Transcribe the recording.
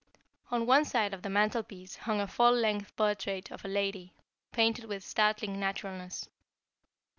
On one side of the mantelpiece hung a full length portrait of a lady, painted with startling naturalness.